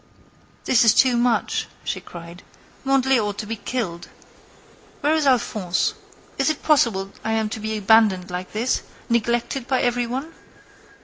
"This is too much!" she cried. "Mandelet ought to be killed! Where is Alphonse? Is it possible I am to be abandoned like this—neglected by every one?"